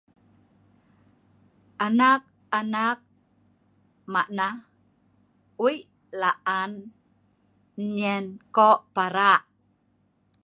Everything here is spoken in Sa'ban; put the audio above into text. Anak-anak maq nah, wei laan nyien ko’ paraa’